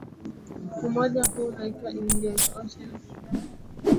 Umoja huu unaitwa Indian Ocean Rim Association